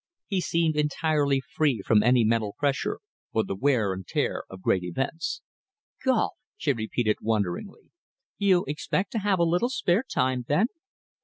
He seemed entirely free from any mental pressure or the wear and tear of great events. "Golf?" she repeated wonderingly. "You expect to have a little spare time, then?"